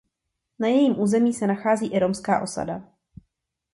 Na jejím území se nachází i romská osada.